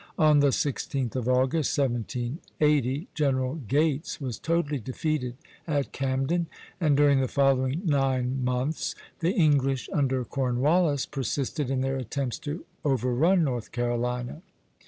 On the 16th of August, 1780, General Gates was totally defeated at Camden; and during the following nine months the English under Cornwallis persisted in their attempts to overrun North Carolina.